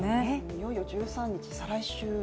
いよいよ１３日、再来週。